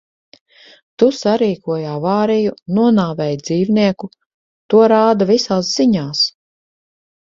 Tu sarīkoji avāriju, nonāvēji dzīvnieku. To rāda visās ziņās.